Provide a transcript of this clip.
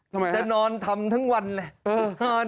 จะนอนทำทั้งวันเลย